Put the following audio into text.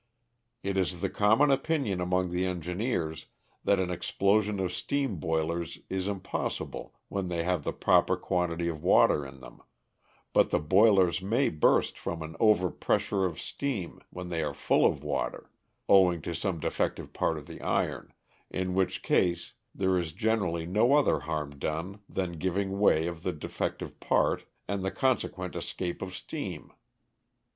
It is the common opinion among the engineers that an explosion of steam bailers is impossible when they have the proper quantity of water in them, but the boilers may burst from an overpressure of steam w hen they are full of water, owmg to some defective part of the iron, in which case there is generally no other harm done than giving way of the defective part and the consequent escape of steam.